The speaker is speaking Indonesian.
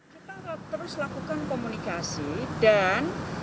kita terus lakukan komunikasi dan